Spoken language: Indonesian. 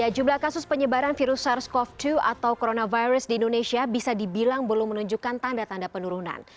jumlah kasus penyebaran virus sars cov dua atau coronavirus di indonesia bisa dibilang belum menunjukkan tanda tanda penurunan